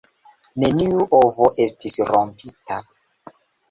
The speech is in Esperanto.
Neniu ovo estis rompita.